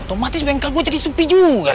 ada atas kebukanya